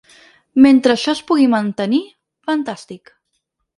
Mentre això es pugui mantenir, fantàstic.